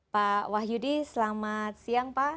pak wahyudi selamat siang pak